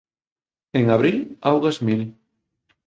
En abril augas mil